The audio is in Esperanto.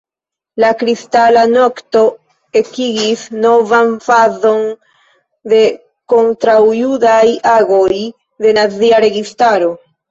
La Kristala nokto ekigis novan fazon de kontraŭjudaj agoj de nazia registaro.